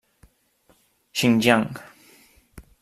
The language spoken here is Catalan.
Xinjiang.